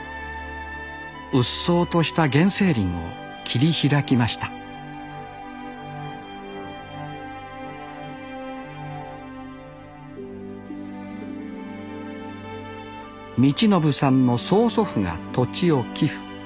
うっそうとした原生林を切り開きました充布さんの曽祖父が土地を寄付。